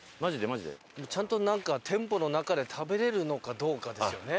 ちゃんと店舗の中で食べられるのかどうかですよね。